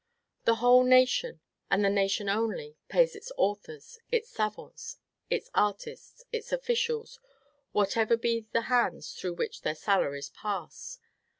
The whole nation, and the nation only, pays its authors, its savants, its artists, its officials, whatever be the hands through which their salaries pass.